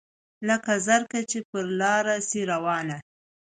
لکه زرکه چي پر لاره سي روانه